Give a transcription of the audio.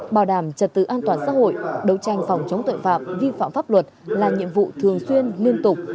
bảo đảm trật tự an toàn xã hội đấu tranh phòng chống tội phạm vi phạm pháp luật là nhiệm vụ thường xuyên liên tục